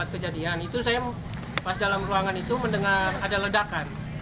kejadian itu saya pas dalam ruangan itu mendengar ada ledakan